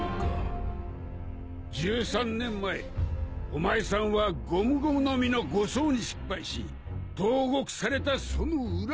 １３年前お前さんはゴムゴムの実の護送に失敗し投獄されたその恨みで。